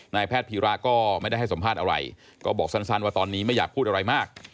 แพทย์พีระก็ไม่ได้ให้สัมภาษณ์อะไรก็บอกสั้นว่าตอนนี้ไม่อยากพูดอะไรมาก